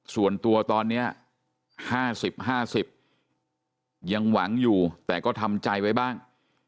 ส่วนตัวตอนนี้๕๐๕๐ยังหวังอยู่แต่ก็ทำใจไว้บ้าง